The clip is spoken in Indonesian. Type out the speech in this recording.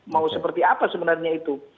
mau seperti apa sebenarnya itu